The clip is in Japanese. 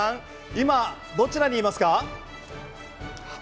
今どちらにいますか？